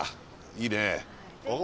いいね。